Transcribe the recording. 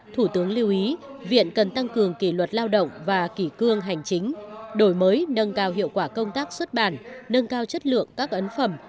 thủ tướng lưu ý viện cần tăng cường kỷ luật lao động và kỷ cương hành chính đổi mới nâng cao hiệu quả công tác xuất bản nâng cao chất lượng các ấn phẩm